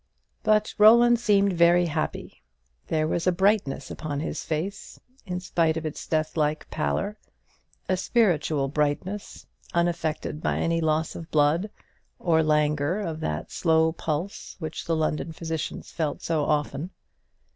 But Roland seemed very happy. There was a brightness upon his face, in spite of its death like pallor a spiritual brightness, unaffected by any loss of blood, or languor of that slow pulse which the London physicians felt so often.